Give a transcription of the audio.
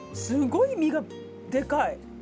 すごい身がでかい。